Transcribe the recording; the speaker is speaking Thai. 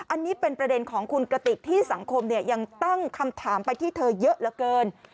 อันนี้เป็นประเด็นของคุณกระติกที่สังคมยังตั้งคำถามไปที่เธอเยอะเหลือเกิน